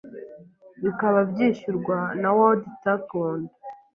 bikaba byishyurwa na World Taekwondo